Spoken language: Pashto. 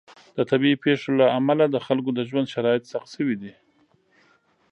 د طبیعي پیښو له امله د خلکو د ژوند شرایط سخت شوي دي.